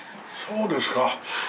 そうですか。